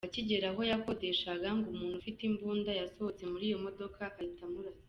Akigera aho yakodeshaga, ngo umuntu ufite imbunda yasohotse muri iyo modoka ahita amurasa.